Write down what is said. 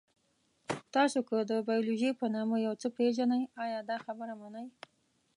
تاسو که د بیولوژي په نامه یو څه پېژنئ، ایا دا خبره منئ؟